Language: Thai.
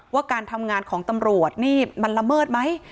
ว่าการทำงานของตำรวจนี่มันละเมิดไหม